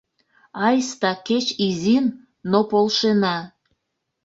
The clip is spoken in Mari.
Айста кеч изин, но полшена!